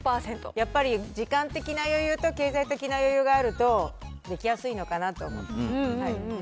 やっぱり時間的な余裕と経済的な余裕があると、できやすいのかなと思って。